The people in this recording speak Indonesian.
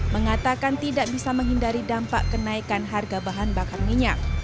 mengatakan tidak bisa menghindari dampak kenaikan harga bahan bakar minyak